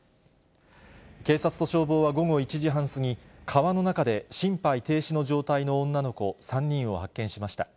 警察と消防は午後１時半過ぎ、川の中で心肺停止の状態の女の子３人を発見しました。